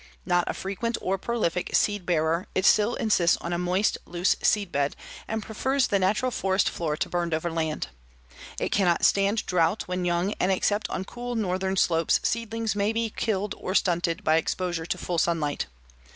Not a frequent or prolific seed bearer, it still insists on a moist loose seed bed and prefers the natural forest floor to burned over land. It cannot stand drought when young and except on cool northern slopes seedlings may be killed or stunted by exposure to full sunlight.